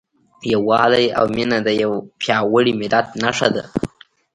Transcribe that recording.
یووالی او مینه د یو پیاوړي ملت نښه ده.